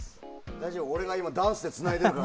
大丈夫、俺がダンスでつないでいるから。